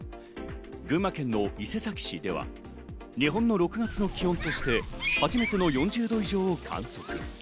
群馬県の伊勢崎市では、日本の６月の気温として初めての４０度以上を観測。